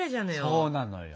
そうなのよ。